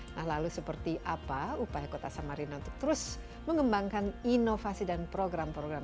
nah lalu seperti apa upaya kota samarina untuk terus mengembangkan inovasi dan program program